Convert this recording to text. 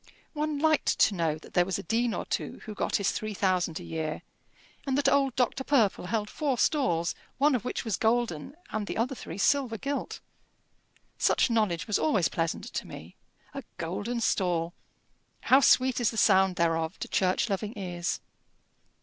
One liked to know that there was a dean or two who got his three thousand a year, and that old Dr. Purple held four stalls, one of which was golden, and the other three silver gilt! Such knowledge was always pleasant to me! A golden stall! How sweet is the sound thereof to church loving ears!